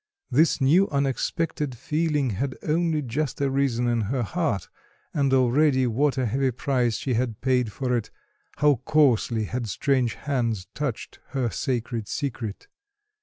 This new unexpected feeling had only just arisen in her heart, and already what a heavy price she had paid for it, how coarsely had strange hands touched her sacred secret.